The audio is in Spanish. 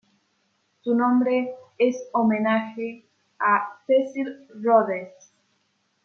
Su nombre es homenaje a Cecil Rhodes.